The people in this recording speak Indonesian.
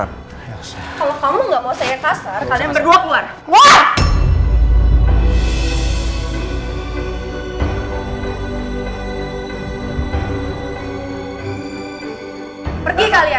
kalau kamu gak mau saya kasar kalian berdua keluar wah